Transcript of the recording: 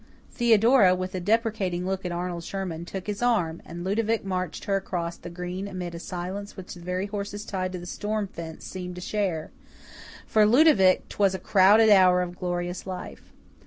Theodora, with a deprecating look at Arnold Sherman, took his arm, and Ludovic marched her across the green amid a silence which the very horses tied to the storm fence seemed to share. For Ludovic 'twas a crowded hour of glorious life.